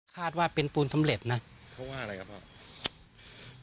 คาดว่าเป็นปูนสำเร็จนะเพราะว่าอะไรครับพ่อ